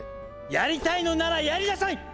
やりたいのならやりなさい！